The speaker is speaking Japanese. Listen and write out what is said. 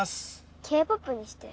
Ｋ−ＰＯＰにして。